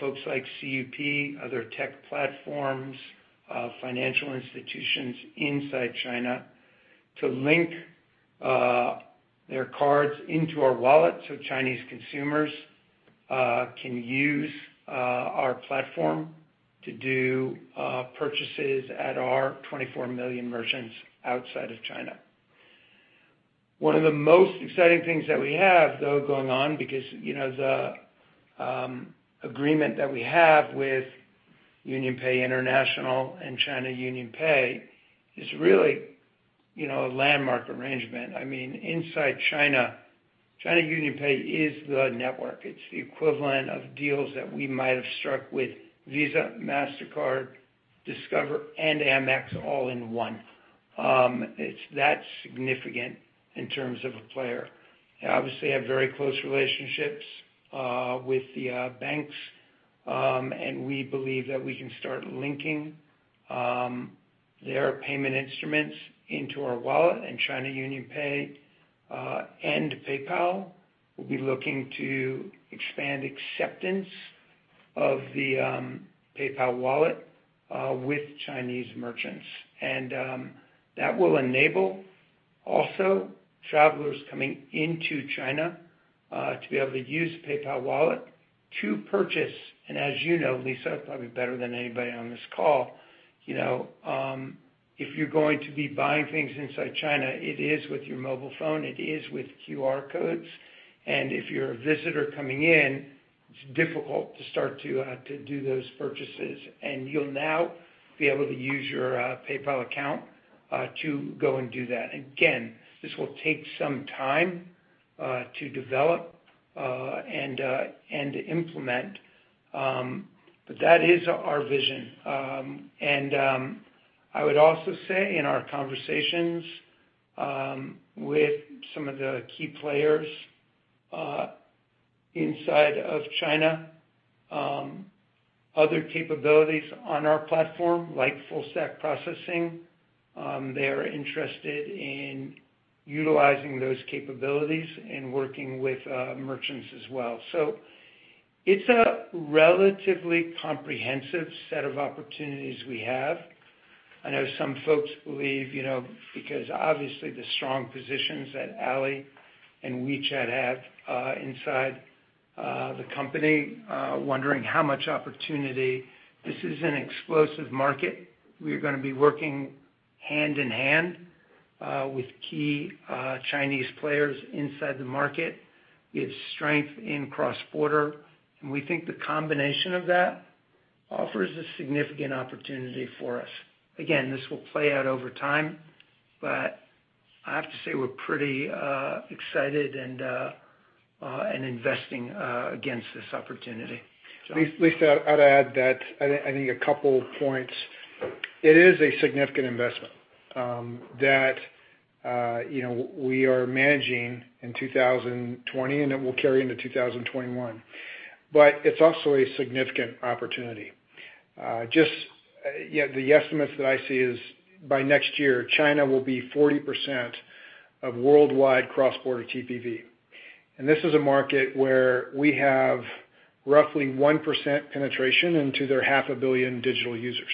folks like CUP, other tech platforms, financial institutions inside China to link their cards into our wallet so Chinese consumers can use our platform to do purchases at our 24 million merchants outside of China. One of the most exciting things that we have, though, going on, because the agreement that we have with UnionPay International and China UnionPay is really a landmark arrangement. Inside China UnionPay is the network. It's the equivalent of deals that we might have struck with Visa, Mastercard, Discover, and Amex all in one. It's that significant in terms of a player. They obviously have very close relationships with the banks. We believe that we can start linking their payment instruments into our wallet. China UnionPay and PayPal will be looking to expand acceptance of the PayPal wallet with Chinese merchants. That will enable also travelers coming into China to be able to use PayPal wallet to purchase. As you know, Lisa, probably better than anybody on this call, if you're going to be buying things inside China, it is with your mobile phone, it is with QR codes. If you're a visitor coming in, it's difficult to start to do those purchases. You'll now be able to use your PayPal account to go and do that. Again, this will take some time to develop and to implement. That is our vision. I would also say in our conversations with some of the key players inside of China, other capabilities on our platform, like full stack processing, they are interested in utilizing those capabilities and working with merchants as well. It's a relatively comprehensive set of opportunities we have. I know some folks believe, because obviously the strong positions that Ali and WeChat have inside the company, wondering how much opportunity. This is an explosive market. We are going to be working hand in hand with key Chinese players inside the market, give strength in cross-border, and we think the combination of that offers a significant opportunity for us. This will play out over time, but I have to say we're pretty excited and investing against this opportunity. John? Lisa, I'd add that I think a couple points. It is a significant investment that we are managing in 2020, and it will carry into 2021. It's also a significant opportunity. Just the estimates that I see is by next year, China will be 40% of worldwide cross-border TPV. This is a market where we have roughly 1% penetration into their half a billion digital users.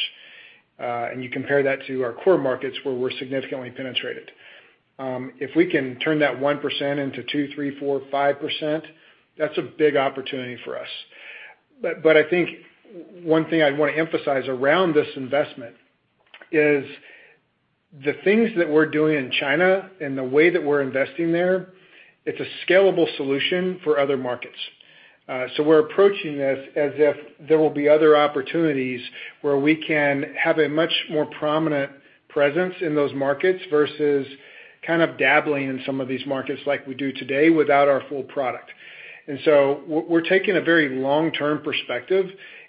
You compare that to our core markets, where we're significantly penetrated. If we can turn that 1% into 2%, 3%, 4%, 5%, that's a big opportunity for us. I think one thing I'd want to emphasize around this investment is the things that we're doing in China and the way that we're investing there, it's a scalable solution for other markets. We're approaching this as if there will be other opportunities where we can have a much more prominent presence in those markets versus kind of dabbling in some of these markets like we do today without our full product. We're taking a very long-term perspective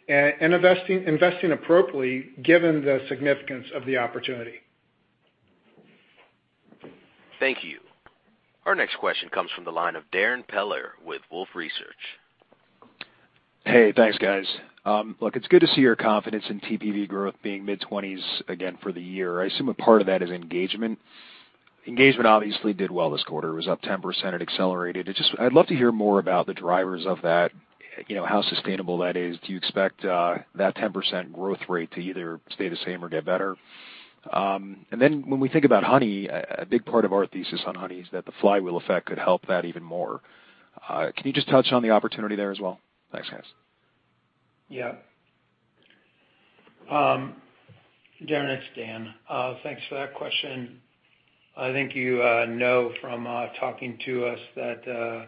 and investing appropriately given the significance of the opportunity. Thank you. Our next question comes from the line of Darrin Peller with Wolfe Research. Hey, thanks, guys. Look, it's good to see your confidence in TPV growth being mid-20s again for the year. I assume a part of that is engagement. Engagement obviously did well this quarter. It was up 10%. It accelerated. I'd love to hear more about the drivers of that, how sustainable that is. Do you expect that 10% growth rate to either stay the same or get better? Then when we think about Honey, a big part of our thesis on Honey is that the flywheel effect could help that even more. Can you just touch on the opportunity there as well? Thanks, guys. Yeah. Darrin, it's Dan. Thanks for that question. I think you know from talking to us that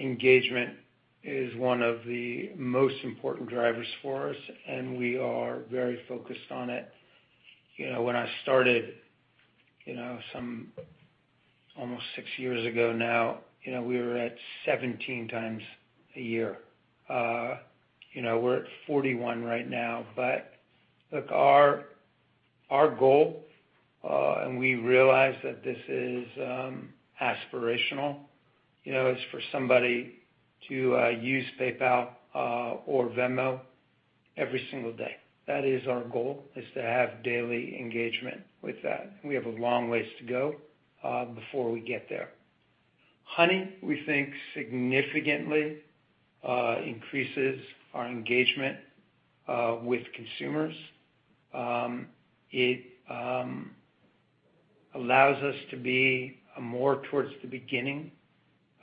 engagement is one of the most important drivers for us, and we are very focused on it. When I started almost six years ago now, we were at 17x a year. We're at 41 right now. Look, our goal, and we realize that this is aspirational, is for somebody to use PayPal or Venmo every single day. That is our goal, is to have daily engagement with that. We have a long ways to go before we get there. Honey, we think, significantly increases our engagement with consumers. It allows us to be more towards the beginning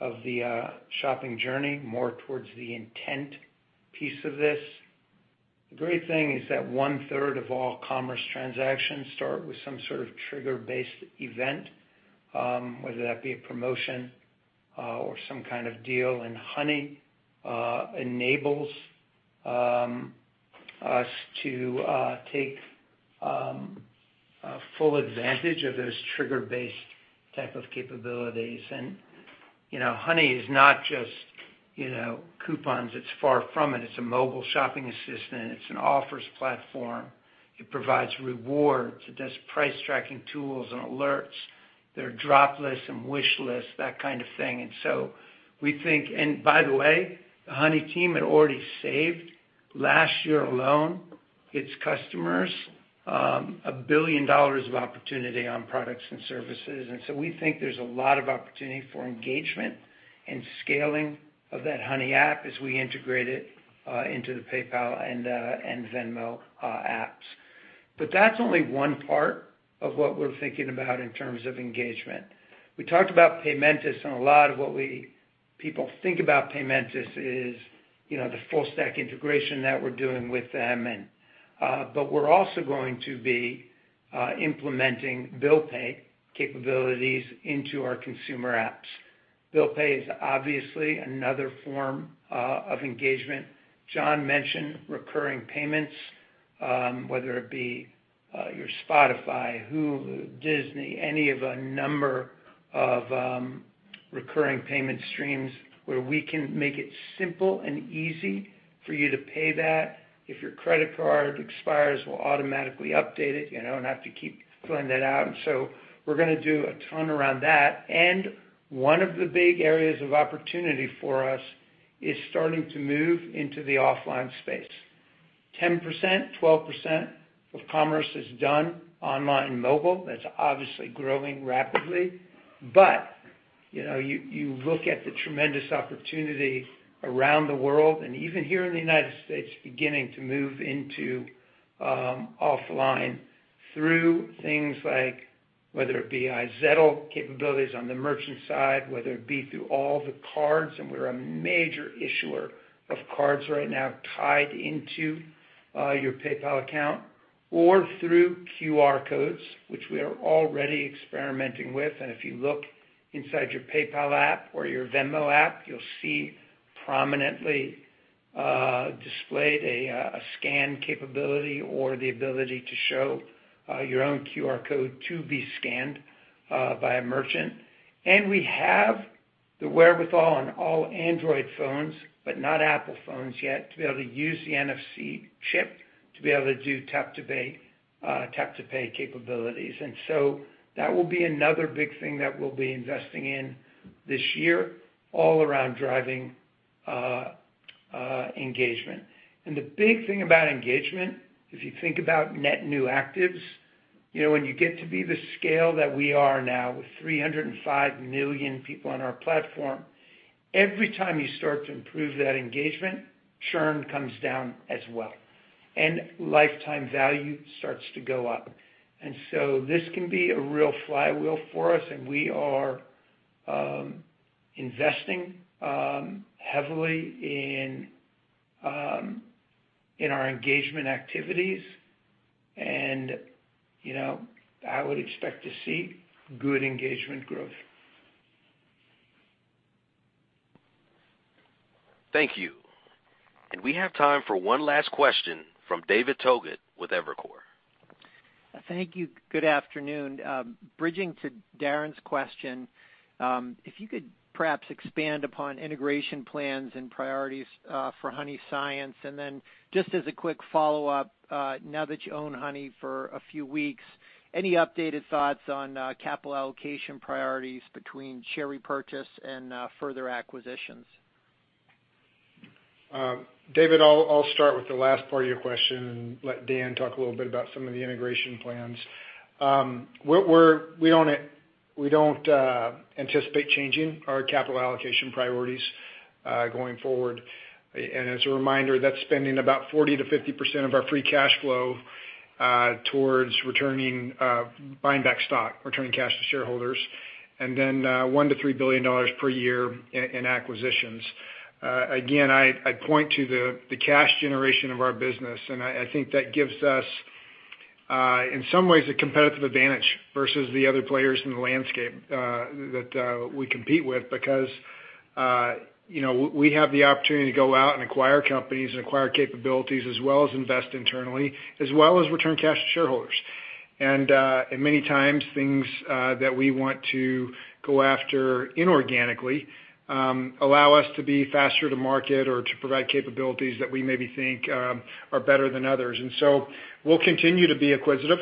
of the shopping journey, more towards the intent piece of this. The great thing is that one-third of all commerce transactions start with some sort of trigger-based event, whether that be a promotion or some kind of deal. Honey enables us to take full advantage of those trigger-based type of capabilities. Honey is not just coupons. It's far from it. It's a mobile shopping assistant. It's an offers platform. It provides rewards. It does price tracking tools and alerts. There are drop lists and wish lists, that kind of thing. By the way, the Honey team had already saved, last year alone, its customers $1 billion of opportunity on products and services. So we think there's a lot of opportunity for engagement and scaling of that Honey app as we integrate it into the PayPal and Venmo apps. That's only one part of what we're thinking about in terms of engagement. We talked about Paymentus, and a lot of what people think about Paymentus is the full stack integration that we're doing with them. We're also going to be implementing bill pay capabilities into our consumer apps. Bill pay is obviously another form of engagement. John mentioned recurring payments, whether it be your Spotify, Hulu, Disney, any of a number of recurring payment streams where we can make it simple and easy for you to pay that. If your credit card expires, we'll automatically update it, and don't have to keep filling that out. We're going to do a ton around that. One of the big areas of opportunity for us is starting to move into the offline space. 10%, 12% of commerce is done online and mobile. That's obviously growing rapidly. You look at the tremendous opportunity around the world, and even here in the U.S., beginning to move into offline through things like, whether it be iZettle capabilities on the merchant side, whether it be through all the cards, and we're a major issuer of cards right now tied into your PayPal account, or through QR codes, which we are already experimenting with. If you look inside your PayPal app or your Venmo app, you'll see prominently displayed a scan capability or the ability to show your own QR code to be scanned by a merchant. We have the wherewithal on all Android phones, but not Apple phones yet, to be able to use the NFC chip to be able to do tap-to-pay capabilities. That will be another big thing that we'll be investing in this year, all around driving engagement. The big thing about engagement, if you think about net new actives, when you get to be the scale that we are now with 305 million people on our platform, every time you start to improve that engagement, churn comes down as well, and lifetime value starts to go up. This can be a real flywheel for us, and we are investing heavily in our engagement activities. I would expect to see good engagement growth. Thank you. We have time for one last question from David Togut with Evercore. Thank you. Good afternoon. Bridging to Darrin's question, if you could perhaps expand upon integration plans and priorities for Honey Science. Just as a quick follow-up, now that you own Honey for a few weeks, any updated thoughts on capital allocation priorities between share repurchase and further acquisitions? David, I'll start with the last part of your question and let Dan talk a little bit about some of the integration plans. We don't anticipate changing our capital allocation priorities going forward. As a reminder, that's spending about 40%-50% of our free cash flow towards buying back stock, returning cash to shareholders, and then $1 billion-$3 billion per year in acquisitions. I point to the cash generation of our business, and I think that gives us, in some ways, a competitive advantage versus the other players in the landscape that we compete with because we have the opportunity to go out and acquire companies and acquire capabilities as well as invest internally, as well as return cash to shareholders. Many times things that we want to go after inorganically allow us to be faster to market or to provide capabilities that we maybe think are better than others. We'll continue to be acquisitive,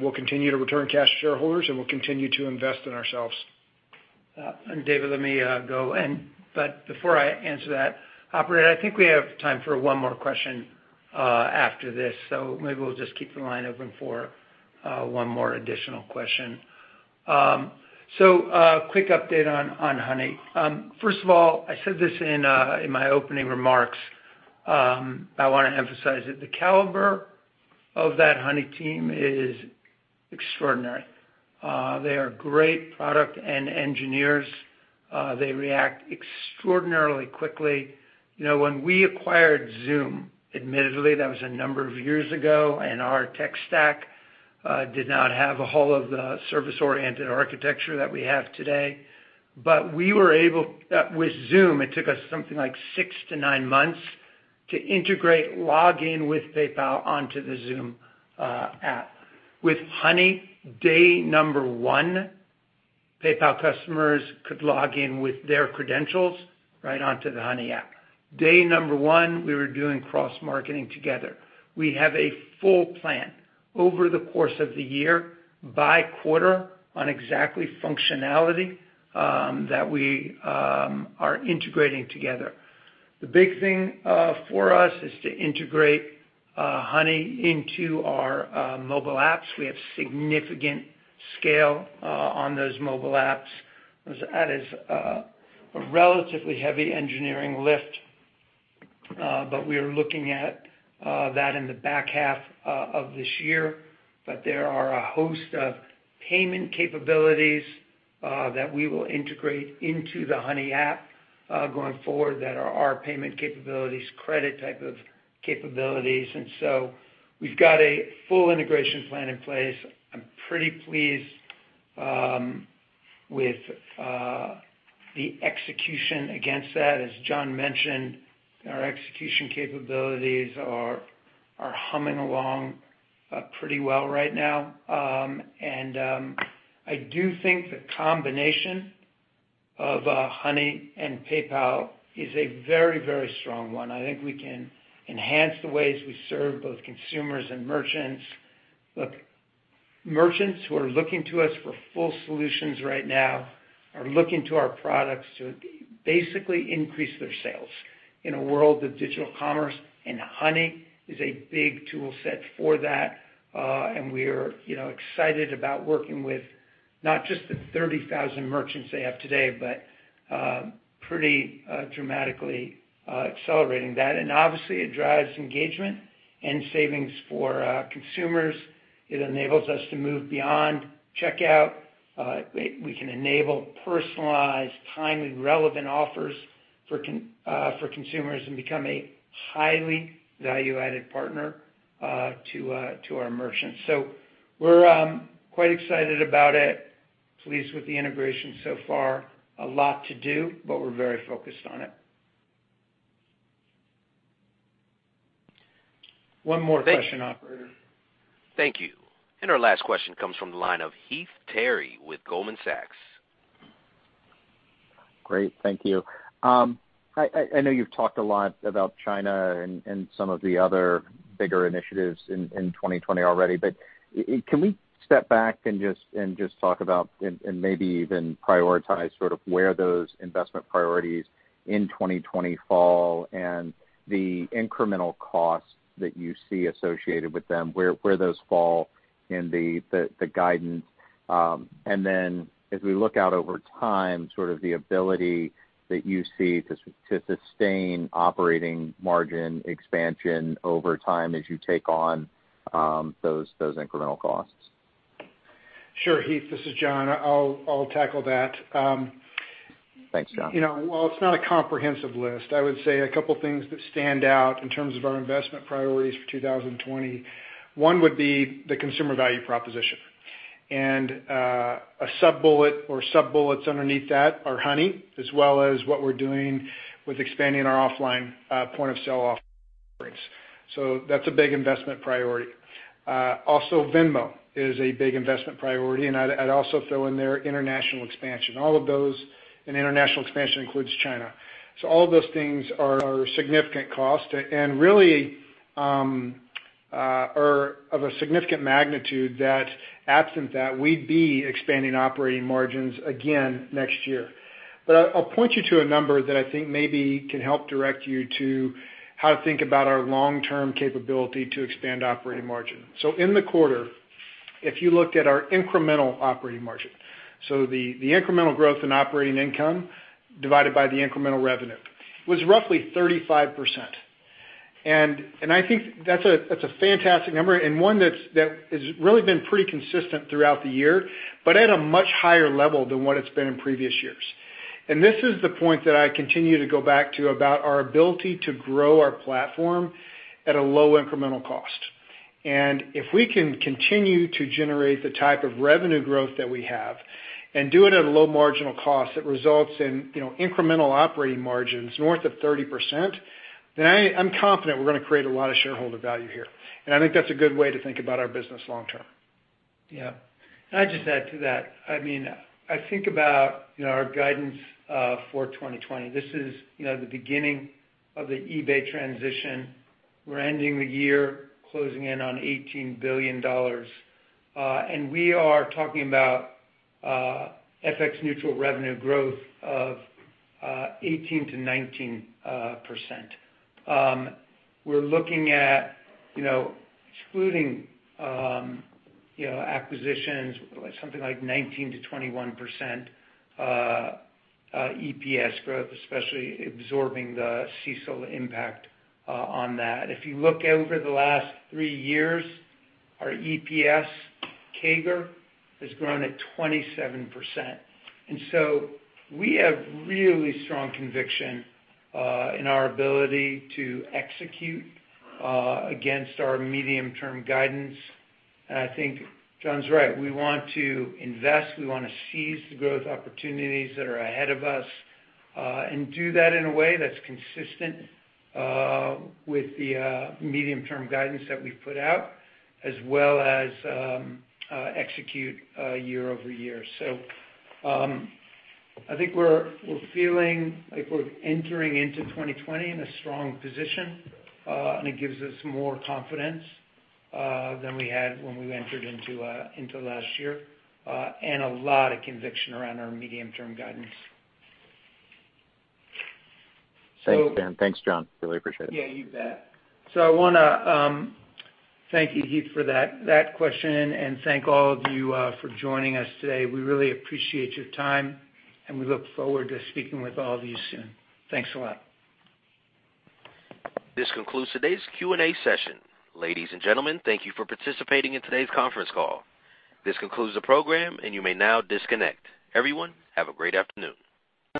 we'll continue to return cash to shareholders, and we'll continue to invest in ourselves. David, let me go in. Before I answer that, Operator, I think we have time for one more question after this. Maybe we'll just keep the line open for one more additional question. A quick update on Honey. First of all, I said this in my opening remarks, I want to emphasize it. The caliber of that Honey team is extraordinary. They are great product and engineers. They react extraordinarily quickly. When we acquired Xoom, admittedly, that was a number of years ago, and our tech stack did not have all of the service-oriented architecture that we have today. With Xoom, it took us something like six to nine months to integrate login with PayPal onto the Xoom app. With Honey, day number one, PayPal customers could log in with their credentials right onto the Honey app. Day number one, we were doing cross-marketing together. We have a full plan over the course of the year by quarter on exactly functionality that we are integrating together. The big thing for us is to integrate Honey into our mobile apps. We have significant scale on those mobile apps. That is a relatively heavy engineering lift, we are looking at that in the back half of this year. There are a host of payment capabilities that we will integrate into the Honey app going forward that are our payment capabilities, credit type of capabilities. We've got a full integration plan in place. I'm pretty pleased with the execution against that. As John mentioned, our execution capabilities are humming along pretty well right now. I do think the combination of Honey and PayPal is a very, very strong one. I think we can enhance the ways we serve both consumers and merchants. Look, merchants who are looking to us for full solutions right now are looking to our products to basically increase their sales in a world of digital commerce, and Honey is a big tool set for that. We're excited about working with not just the 30,000 merchants they have today, but pretty dramatically accelerating that. Obviously, it drives engagement and savings for consumers. It enables us to move beyond checkout. We can enable personalized, timely, relevant offers for consumers and become a highly value-added partner to our merchants. We're quite excited about it. Pleased with the integration so far. A lot to do, but we're very focused on it. One more question, operator. Thank you. Our last question comes from the line of Heath Terry with Goldman Sachs. Great. Thank you. I know you've talked a lot about China and some of the other bigger initiatives in 2020 already, can we step back and just talk about, and maybe even prioritize sort of where those investment priorities in 2020 fall, and the incremental costs that you see associated with them, where those fall in the guidance. As we look out over time, sort of the ability that you see to sustain operating margin expansion over time as you take on those incremental costs. Sure, Heath. This is John. I'll tackle that. Thanks, John. While it's not a comprehensive list, I would say a couple of things that stand out in terms of our investment priorities for 2020. One would be the consumer value proposition. A sub-bullet or sub-bullets underneath that are Honey, as well as what we're doing with expanding our offline point-of-sale offerings. That's a big investment priority. Venmo is a big investment priority, and I'd also throw in there international expansion. All of those, and international expansion includes China. All of those things are a significant cost, and really are of a significant magnitude that absent that, we'd be expanding operating margins again next year. I'll point you to a number that I think maybe can help direct you to how to think about our long-term capability to expand operating margin. In the quarter, if you looked at our incremental operating margin, so the incremental growth in operating income divided by the incremental revenue, was roughly 35%. I think that's a fantastic number, and one that has really been pretty consistent throughout the year, but at a much higher level than what it's been in previous years. This is the point that I continue to go back to about our ability to grow our platform at a low incremental cost. If we can continue to generate the type of revenue growth that we have, and do it at a low marginal cost that results in incremental operating margins north of 30%, then I'm confident we're going to create a lot of shareholder value here. I think that's a good way to think about our business long term. Yeah. Can I just add to that? I think about our guidance for 2020. This is the beginning of the eBay transition. We're ending the year closing in on $18 billion. We are talking about FX neutral revenue growth of 18%-19%. We're looking at excluding acquisitions, something like 19%-21% EPS growth, especially absorbing the CECL impact on that. If you look out over the last three years, our EPS CAGR has grown at 27%. We have really strong conviction in our ability to execute against our medium-term guidance. I think John's right. We want to invest, we want to seize the growth opportunities that are ahead of us, and do that in a way that's consistent with the medium-term guidance that we've put out, as well as execute year-over-year. I think we're feeling like we're entering into 2020 in a strong position, and it gives us more confidence than we had when we entered into last year. A lot of conviction around our medium-term guidance. Thanks, Dan. Thanks, John. Really appreciate it. Yeah, you bet. I want to thank you, Heath, for that question, and thank all of you for joining us today. We really appreciate your time, and we look forward to speaking with all of you soon. Thanks a lot. This concludes today's Q&A session. Ladies and gentlemen, thank you for participating in today's conference call. This concludes the program, and you may now disconnect. Everyone, have a great afternoon.